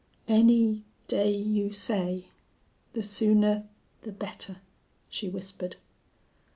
"Any day you say the sooner the better," she whispered.